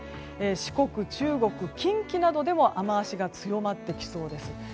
四国、中国、近畿などでも雨脚が強まってきそうです。